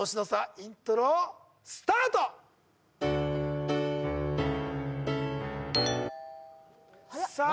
イントロスタートさあ